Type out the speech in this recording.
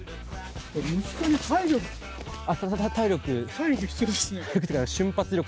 体力必要ですね。